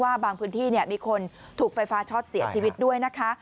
บางพื้นที่มีคนถูกไฟฟ้าช็อตเสียชีวิตด้วยนะคะ